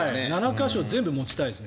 か所全部持ちたいですね。